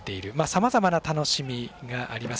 さまざまな楽しみがあります